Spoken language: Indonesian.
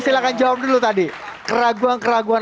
silahkan jawab dulu tadi keraguan keraguan